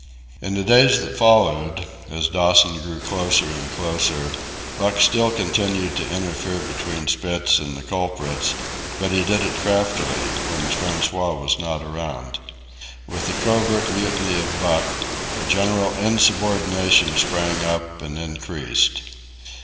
In the days that followed, as Dawson grew closer and closer, Buck still continued to interfere between Spitz and the culprits; but he did it craftily, when François was not around, With the covert mutiny of Buck, a general insubordination sprang up and increased.